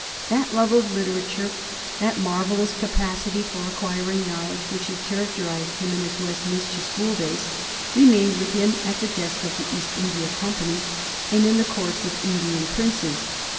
That love of literature, that marvellous capacity for acquiring knowledge, which had characterized him in his Westminster school days, remained with him at the desk of the East India Company and in the courts of Indian princes.